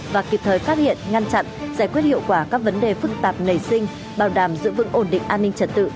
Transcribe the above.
và kịp thời phát hiện ngăn chặn giải quyết hiệu quả các vấn đề phức tạp nảy sinh bảo đảm giữ vững ổn định an ninh trật tự